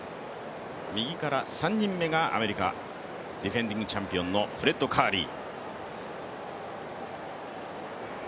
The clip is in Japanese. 右から３人目がアメリカ、ディフェンディングチャンピオンのフレッド・カーリー。